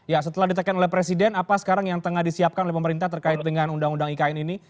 ya setelah ditekan oleh presiden apa sekarang yang tengah disiapkan oleh pemerintah terkait dengan undang undang ikn ini